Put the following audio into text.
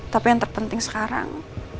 tapi yang terpenting sekarang